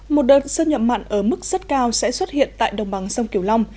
một đợt xâm nhập mặn ở mức rất cao sẽ xuất hiện tại đồng bằng sông kiều long